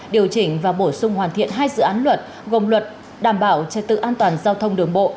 điều chỉnh và bổ sung hoàn thiện hai dự án luật gồm luật đảm bảo trật tự an toàn giao thông đường bộ